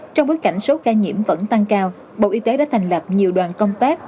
trong bối cảnh số ca nhiễm vẫn tăng cao bộ y tế đã thành lập nhiều đoàn công tác